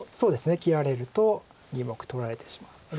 切られると２目取られてしまうので。